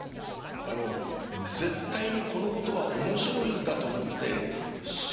あの絶対にこのことは面白いんだと思って信じてないと。